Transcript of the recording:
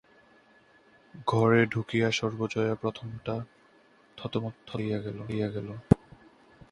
ঘরে ঢুকিয়া সর্বজয়া প্রথমটা থতমত খাইয়া গেল।